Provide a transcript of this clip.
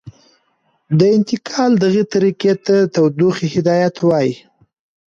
د انتقال دغې طریقې ته تودوخې هدایت وايي.